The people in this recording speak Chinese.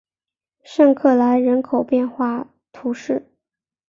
圣克莱人口变化图示